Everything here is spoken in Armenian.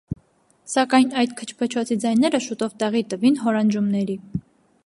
Սակայն այդ քչփչոցի ձայները շուտով տեղի տվին հորանջումների: